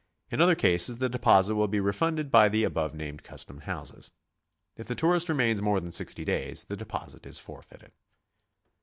In other cases, the deposit will be refunded by the above named cus tom houses. If the tourist remains more than sixty days, the deposit is forfeited.